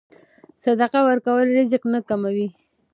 صدقه ورکول رزق نه کموي.